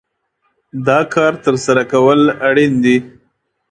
دا کار ترسره کول اړين دي.